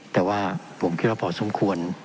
แต่ว่าผมคิดว่าพอสมควร